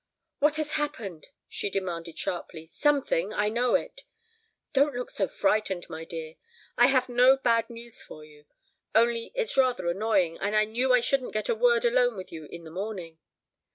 "What has happened?" she demanded sharply. "Something. I know it." "Don't look so frightened, my dear. I have no bad news for you. Only it's rather annoying, and I knew I shouldn't get a word alone with you in the morning."